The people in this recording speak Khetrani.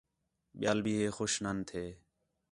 ٻِیال بھی ہے خوش نان تِھین٘دے